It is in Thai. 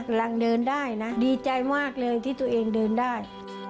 กำลังเดินได้นะดีใจมากเลยที่ตัวเองเดินได้